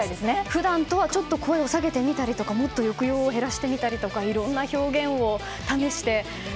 普段とはちょっと声を下げてみたりとかもっと抑揚を減らしてみたりとかいろんな表現を試して。